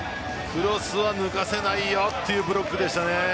クロスは抜かせないよというブロックでしたね。